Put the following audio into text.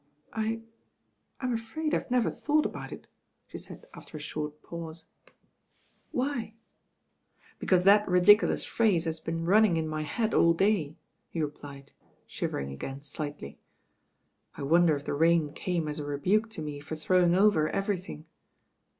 "I — Vm afraid Fve never thought about it,'* ah» •aid after a short pause. "Why? •THE TWO DRAGONS'* 41 ''Because that ridiculous phrase has been run ning in my head all day/* he replied, shivering again slightly. "I wonder if the rain came as a rebuke to me for throwing over everything."